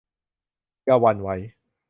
อย่าหวั่นไหว